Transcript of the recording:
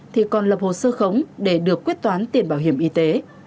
thì còn lập hồ sơ khống để được quyết toán tiền bảo hiểm y tế